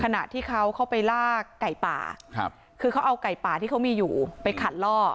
ขณะที่เขาเข้าไปลากไก่ป่าคือเขาเอาไก่ป่าที่เขามีอยู่ไปขัดล่อ